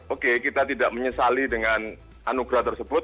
oke kita tidak menyesali dengan anugerah tersebut